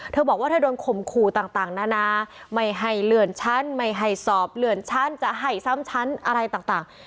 เธอบอกว่าเธอโดนข่มขู่ต่างนานาไม่ให้เลื่อนชั้นไม่ให้สอบเลื่อนชั้นจะให้ซ้ำชั้นอะไรต่าง